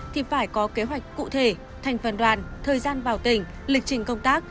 thì phải có kế hoạch cụ thể thành phần đoàn thời gian vào tỉnh lịch trình công tác